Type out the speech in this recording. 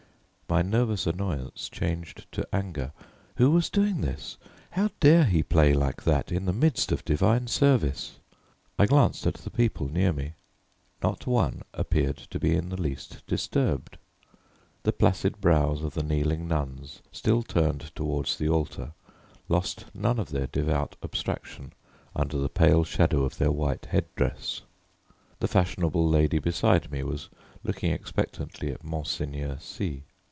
My nervous annoyance changed to anger. Who was doing this? How dare he play like that in the midst of divine service? I glanced at the people near me: not one appeared to be in the least disturbed. The placid brows of the kneeling nuns, still turned towards the altar, lost none of their devout abstraction under the pale shadow of their white head dress. The fashionable lady beside me was looking expectantly at Monseigneur C